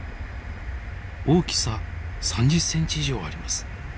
大きさ３０センチ以上あります。